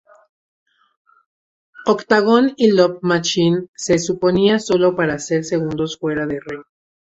Octagon y Love Machine se suponía sólo para ser segundos fuera del ring.